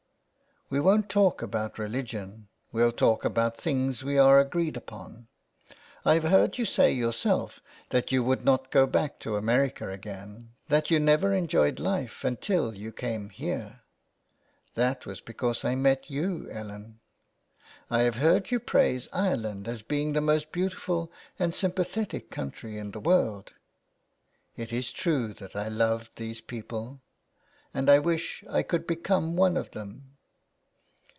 " We won't talk about religion, we'll talk about 384 THE WILD GOOSE. things we are agreed upon. I have heard you say yourself that you would not go back to America again, that you never enjoyed life until you came here." " That was because I met you, Ellen." " I have heard you praise Ireland as being the most beautiful and sympathetic country in the world." " It is true that I love these people, and I wish I could become one of them."